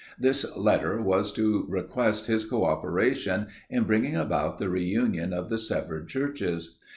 This letter was to request his co operation in bringing about the re union of the severed Churches.